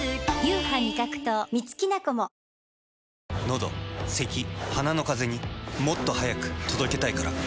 のどせき鼻のカゼにもっと速く届けたいから。